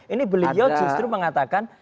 ini beliau justru mengatakan